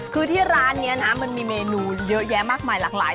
คือที่ร้านนี้นะมันมีเมนูเยอะแยะมากมายหลากหลาย